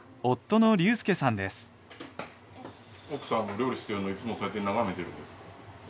奥さんが料理してるのをいつもそうやって眺めてるんですか？